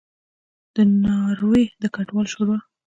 د ناروې د کډوالو شورا